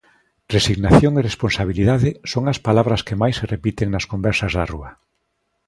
Resignación e responsabilidade son as palabras que máis se repiten nas conversas da rúa.